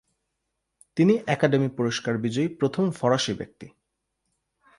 তিনি একাডেমি পুরস্কার বিজয়ী প্রথম ফরাসি ব্যক্তি।